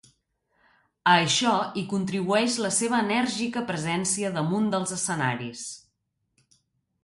A això contribueix la seva enèrgica presència damunt dels escenaris.